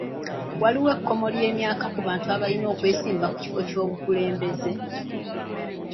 Waliwo ekkomo ly'emyaka ku bantu abalina okwesimbawo ku bifo by'obukulembeze..